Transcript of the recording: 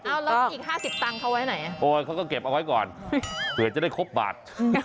เอาแล้วอีก๕๐ตังค์เขาไว้ไหนโอ้ยเขาก็เก็บเอาไว้ก่อนเผื่อจะได้ครบบาท